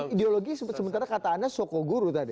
ideologi sementara kata anda sokoguru tadi